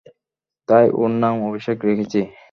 তাই ওর নাম অভিষেক রেখেছি।